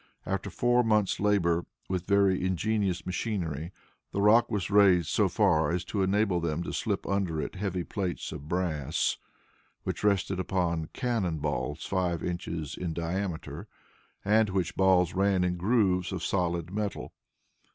After four months' labor, with very ingenious machinery, the rock was so far raised as to enable them to slip under it heavy plates of brass, which rested upon cannon balls five inches in diameter, and which balls ran in grooves of solid metal.